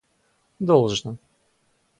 должно